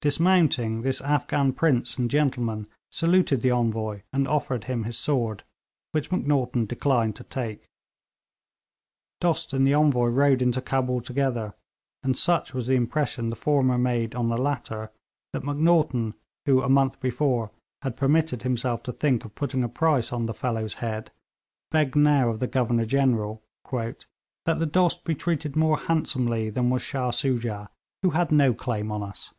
Dismounting, this Afghan prince and gentleman saluted the Envoy, and offered him his sword, which Macnaghten declined to take. Dost and Envoy rode into Cabul together, and such was the impression the former made on the latter that Macnaghten, who a month before had permitted himself to think of putting a price on 'the fellow's' head, begged now of the Governor General 'that the Dost be treated more handsomely than was Shah Soojah, who had no claim on us.'